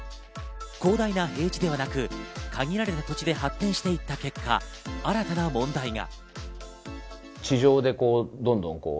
広大な平地ではなく限られた土地で発展していった結果、新たな問題が。